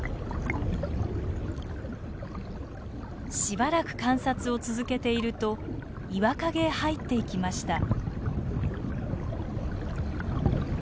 しばらく観察を続けていると岩陰へ入っていきました。